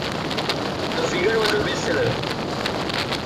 The figure was a best seller.